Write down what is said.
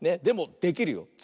でもできるよ。